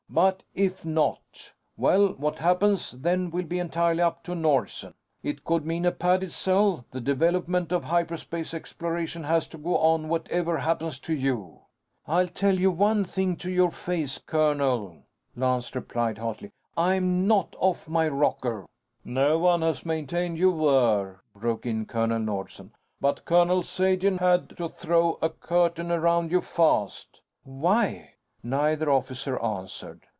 But if not ... well, what happens then will be entirely up to Nordsen. It could mean a padded cell. The development of hyperspace exploration has to go on, whatever happens to you." "I'll tell you one thing to your face, colonel," Lance replied, hotly. "I'm not off my rocker." "No one has maintained you were," broke in Colonel Nordsen. "But Colonel Sagen had to throw a curtain around you fast." "Why?" Neither officer answered.